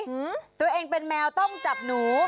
ตัวเองเป็นแมวต้องจับหนู